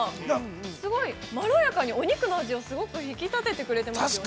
すごいまろやかにお肉の味をすごい引き立ててくれてますよね。